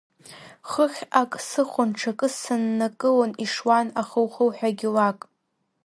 Хыхь ак сыхон, ҽакы сыннакылон, ишуан ахыухыуҳәагьы лак.